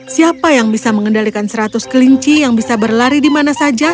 siapa yang bisa mengendalikan seratus kelinci yang bisa berlari di mana saja